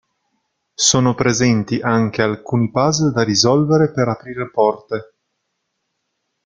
Sono presenti anche alcuni puzzle da risolvere per aprire porte.